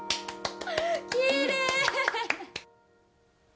きれい！